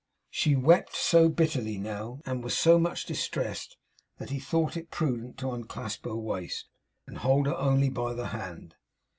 She wept so bitterly now, and was so much distressed, that he thought it prudent to unclasp her waist, and hold her only by the hand.